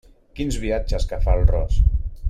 Quins viatges que fa el ros!